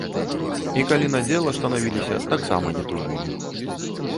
І калі на дзела станавіліся, таксама не тужылі.